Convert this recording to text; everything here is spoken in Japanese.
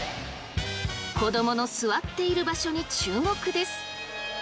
子どもの座っている場所に注目です。